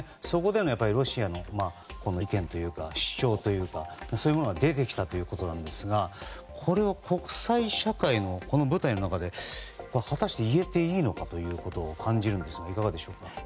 そこでのロシアの意見というか主張というかそういうものが出てきたんですがこれを国際社会の舞台の中で果たして入れていいのかと感じるんですがいかがでしょうか。